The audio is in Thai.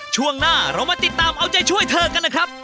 ช่วงหน้าเรามาติดตามเอาใจช่วยเธอกันนะครับ